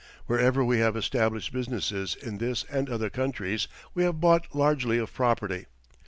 Wherever we have established businesses in this and other countries we have bought largely of property.